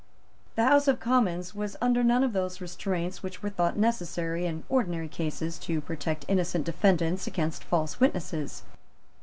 The House of Commons was under none of those restraints which were thought necessary in ordinary cases to protect innocent defendants against false witnesses.